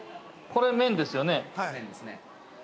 ◆これ、麺ですよね。